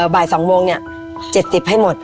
บ่าย๒โมงเนี่ย๗๐ให้หมด